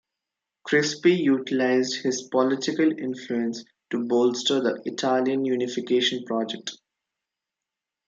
Crispi utilized his political influence to bolster the Italian unification project.